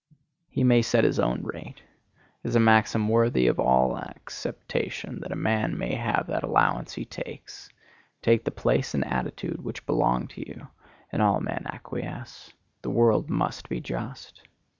He may set his own rate. It is a maxim worthy of all acceptation that a man may have that allowance he takes. Take the place and attitude which belong to you, and all men acquiesce. The world must be just.